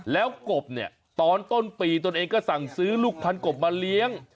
แล้วกบเนี่ยตอนต้นปีตนเองก็สั่งซื้อลูกพันกบมาเลี้ยง